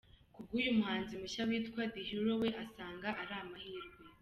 Ku bw’uyu muhanzi mushya witwa The Hero we asanga ari amahirwe.